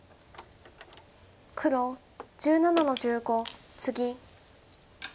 黒１７の十五ツギ。